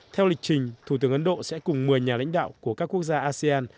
theo lịch trình thủ tướng ấn độ sẽ cùng một mươi nhà lãnh đạo của các quốc gia asean